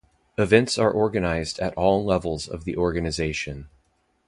Events are organized at all levels of the organization.